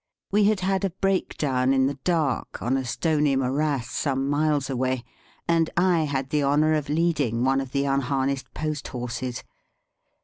We had had a break down in the dark, on a stony morass some miles away; and I had the honour of leading one of the unharnessed post horses.